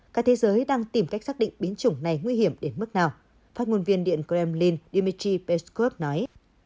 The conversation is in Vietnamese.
cả thế giới đang tìm cách xác định biến chủng này nguy hiểm đến mức nào phát ngôn viên điện kremlin dmitry peskov nói